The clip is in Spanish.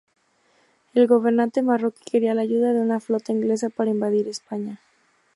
El gobernante marroquí quería la ayuda de una flota inglesa para invadir España.